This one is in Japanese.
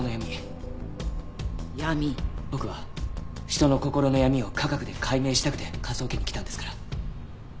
僕は人の心の闇を科学で解明したくて科捜研に来たんですから。